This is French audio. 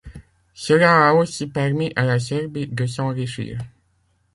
Cela a aussi permit à la Serbie de s'enrichir.